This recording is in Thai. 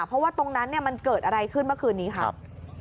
เพราะว่าตรงนั้นมันเกิดอะไรขึ้นเมื่อคืนนี้ครับ